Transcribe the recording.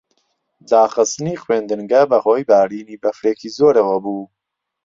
داخستنی خوێندنگە بەهۆی بارینی بەفرێکی زۆرەوە بوو.